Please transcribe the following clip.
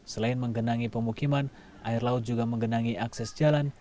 selain menggenangi pemukiman air laut juga menggenangi akses jalan